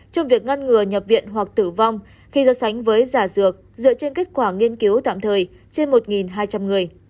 trong việc ngăn ngừa nhập viện hoặc tử vong khi so sánh với giả dược dựa trên kết quả nghiên cứu tạm thời trên một hai trăm linh người